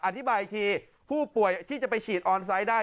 อธิบายอีกทีผู้ป่วยที่จะไปฉีดออนไซต์ได้